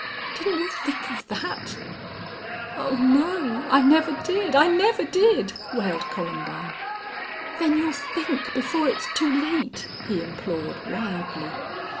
Didn't you think of that?" "Oh no I never did I never did!" wailed Columbine. "Then you'll think before it's too late?" he implored, wildly.